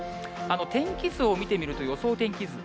天気図を見てみると、予想天気図。